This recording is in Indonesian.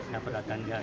ya beratkan dia